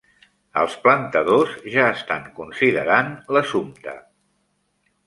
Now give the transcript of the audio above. Els plantadors ja estan considerant l'assumpte.